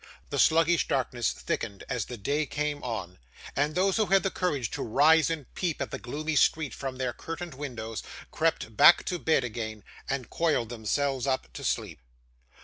The sluggish darkness thickened as the day came on; and those who had the courage to rise and peep at the gloomy street from their curtained windows, crept back to bed again, and coiled themselves up to sleep.